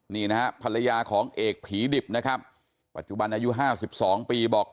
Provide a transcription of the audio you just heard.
นี่นะฮะภรรยาของเอกผีดิบนะครับปัจจุบันอายุ๕๒ปีบอก